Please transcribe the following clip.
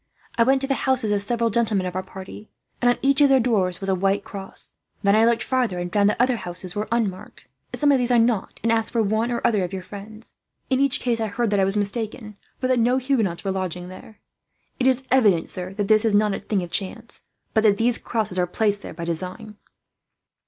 I went to the houses of several gentlemen of our party, and on each of their doors was a white cross. Then I looked farther, and found that other houses were unmarked. At some of these I knocked and asked for one or other of your friends. In each case I heard that I was mistaken, for that no Huguenots were lodging there." [Illustration: That cross is placed there by design.] "It is evident, sir, that this is not a thing of chance, but that these crosses are placed there by design."